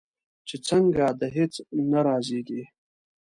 چې څنګه؟ د هیڅ نه رازیږې